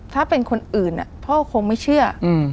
ถ้าเป็นคนอื่นพ่อคงไม่เชื่อ